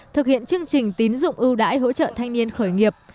thực hiện chương trình tín dụng ưu đãi hỗ trợ thanh niên khởi nghiệp